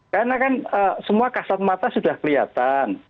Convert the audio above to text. karena kan semua kasat mata sudah kelihatan